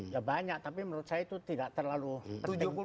ya banyak tapi menurut saya itu tidak terlalu penting